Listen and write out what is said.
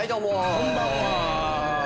こんばんは。